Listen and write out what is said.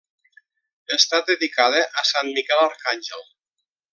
Està dedicada a sant Miquel Arcàngel.